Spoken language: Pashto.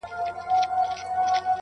اوس یې پر پېچومو د کاروان حماسه ولیکه؛